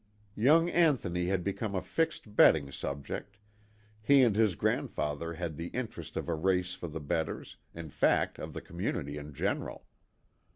Young Anthony had become a fixed betting subject he and his grandfather had the in terest of a race for the betters, in fact of the community in general.